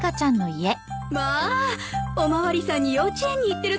まあお巡りさんに幼稚園に行ってると思われたの？